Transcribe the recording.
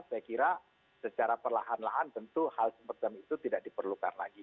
saya kira secara perlahan lahan tentu hal seperti itu tidak diperlukan lagi